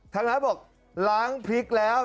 ทางร้านบอกล้างพริกแล้ว